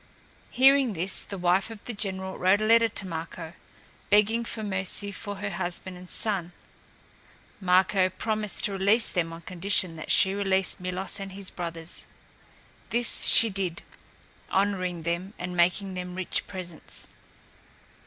Hearing this, the wife of the general wrote a letter to Marko, begging for mercy for her husband and son. Marko promised to release them on condition that she release Milos and his brothers. This she did, honoring them and making them rich presents.